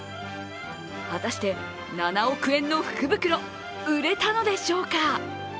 果たして、７億円の福袋売れたのでしょうか。